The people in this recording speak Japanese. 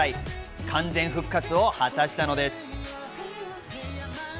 完全復活を果たしたのです。